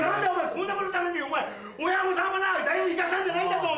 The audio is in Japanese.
こんなことのために親御さんはな大学行かせたんじゃないんだぞ？